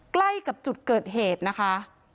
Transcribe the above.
ใกล้กับจุดเกิดเหตุนะคะ